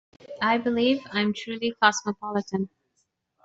I believe I am truly cosmopolitan.